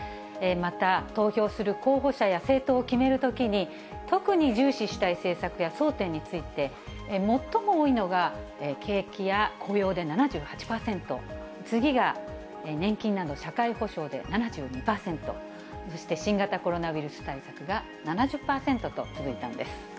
また、投票する候補者や政党を決めるときに、特に重視したい政策や争点について、最も多いのが、景気や雇用で７８％、次が年金など社会保障で７２％、そして、新型コロナウイルス対策が７０％と続いたんです。